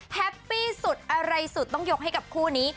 แฮปปี้สุดอะไรสุดต้องยกให้กับคู่นี้